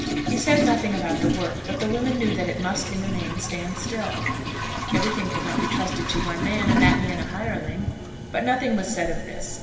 He said nothing about the work, but the women knew that it must in the main stand still. Everything could not be trusted to one man, and that man a hireling. But nothing was said of this.